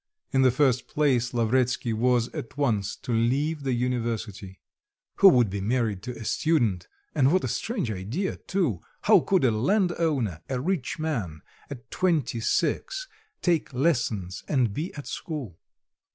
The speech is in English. In the first place, Lavretsky was at once to leave the university; who would be married to a student, and what a strange idea too how could a landowner, a rich man, at twenty six, take lessons and be at school?